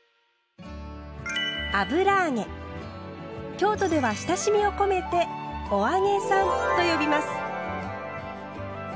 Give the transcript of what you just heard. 京都では親しみを込めて「お揚げさん」と呼びます。